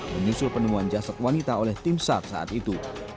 menyusul penemuan jasad wanita oleh tim sar saat itu